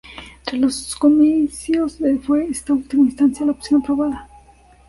Tras los comicios, fue esta en última instancia la opción aprobada.